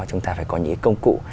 chúng ta phải có những công cụ